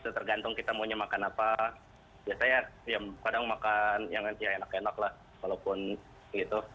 tergantung kita maunya makan apa biasanya ya kadang makan yang enak enak lah walaupun gitu